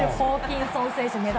ホーキンソン選手でしょ？